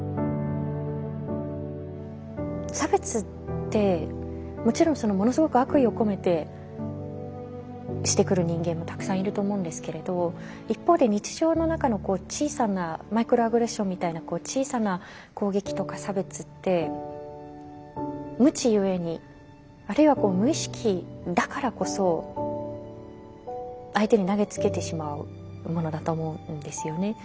差別ってもちろんものすごく悪意を込めてしてくる人間もたくさんいると思うんですけれど一方で日常の中の小さなマイクロアグレッションみたいな小さな攻撃とか差別って無知ゆえにあるいは無意識だからこそ相手に投げつけてしまうものだと思うんですよね。